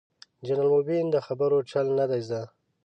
جنرال مبين ده خبرو چل نه دې زده.